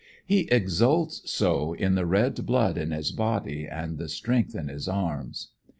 He exults so in the red blood in his body and the strength in his arms.